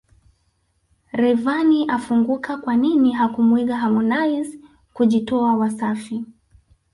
Rayvanny afunguka kwanini hakumuiga Harmonize kujitoa Wasafi